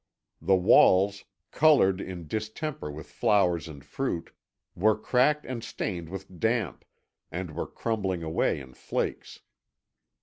The walls, coloured in distemper with flowers and fruit, were cracked and stained with damp, and were crumbling away in flakes.